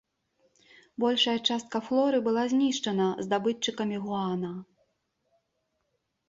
Большая частка флоры была знішчана здабытчыкамі гуана.